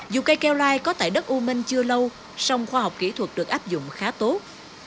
dù cây keo lai có tại đất u minh chưa lâu song khoa học kỹ thuật được áp dụng khá tốt